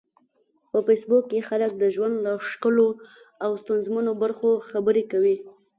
په فېسبوک کې خلک د ژوند له ښکلو او ستونزمنو برخو خبرې کوي